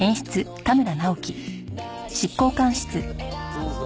どうぞ。